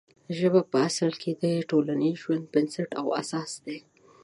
ژبه په اصل کې د ټولنیز ژوند بنسټ او اساس دی.